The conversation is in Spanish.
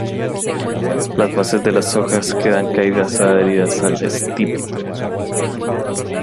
Las bases de las hojas quedan caídas adheridas al estípite.